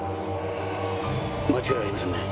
間違いありませんね？